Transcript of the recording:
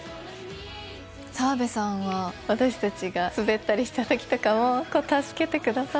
澤部さんは私たちがスベったりした時とかも助けてくださって。